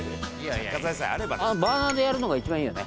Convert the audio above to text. バーナーでやるのが一番いいよね。